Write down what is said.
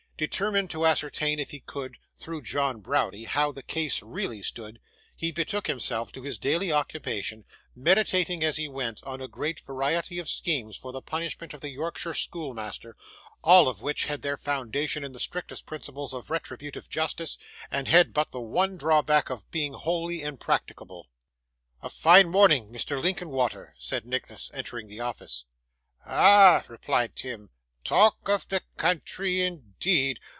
Determined to ascertain, if he could, through John Browdie, how the case really stood, he betook himself to his daily occupation: meditating, as he went, on a great variety of schemes for the punishment of the Yorkshire schoolmaster, all of which had their foundation in the strictest principles of retributive justice, and had but the one drawback of being wholly impracticable. 'A fine morning, Mr. Linkinwater!' said Nicholas, entering the office. 'Ah!' replied Tim, 'talk of the country, indeed!